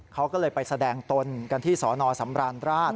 เขาก็เลยไปแสดงตนกันที่สนสำราญราช